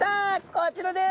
こちらです！